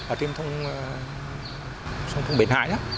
ở trên thông bến hại đó